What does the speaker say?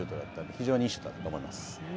非常にいいシュートだったと思います。